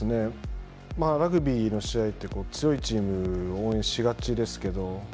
ラグビーの試合って強いチームを応援しがちですけど。